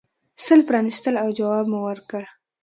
سل پرانیستل او جواب مو ورکړ.